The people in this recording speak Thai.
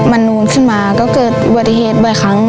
มันนูนขึ้นมาก็เกิดอุบัติเหตุบ่อยครั้ง